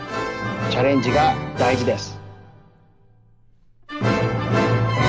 チャレンジがだいじです。